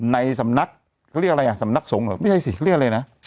ในสำนักเขาเรียกอะไรอ่ะสำนักทรงหรือไม่ใช่สิเค้าเรียกอะไรนะ